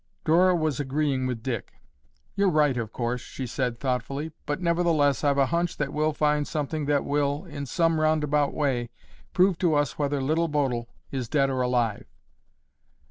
Dora was agreeing with Dick. "You're right of course," she said thoughtfully, "but, nevertheless I've a hunch that we'll find something that will, in some roundabout way, prove to us whether Little Bodil is dead or alive."